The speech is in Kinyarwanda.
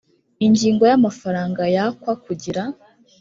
ingingo ya amafaranga yakwa kugira